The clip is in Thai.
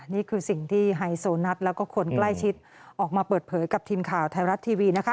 นี่คือสิ่งที่ไฮโซนัทแล้วก็คนใกล้ชิดออกมาเปิดเผยกับทีมข่าวไทยรัฐทีวีนะคะ